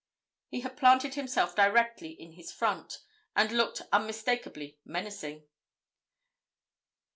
He had planted himself directly in his front, and looked unmistakably menacing.